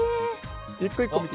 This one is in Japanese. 一個一個見て。